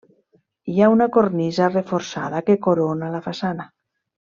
Hi ha una cornisa reforçada que corona la façana.